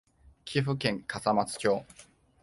岐阜県笠松町